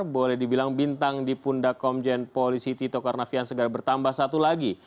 boleh dibilang bintang di pundak komjen polisi tito karnavian segera bertambah satu lagi